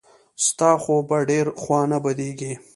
ستا خو به ډېره خوا نه بدېږي.